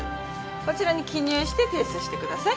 こちらに記入して提出してください